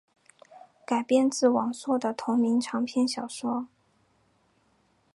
改编自王朔的同名长篇小说。